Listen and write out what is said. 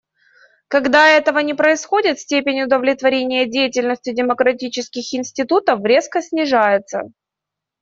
Когда этого не происходит, степень удовлетворения деятельностью демократических институтов резко снижается.